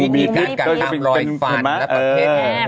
มีพิษตามรอยฟันและประเภท